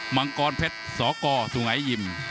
มังกรเพชรสกสุงัยยิม